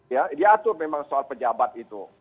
ya diatur memang soal pejabat itu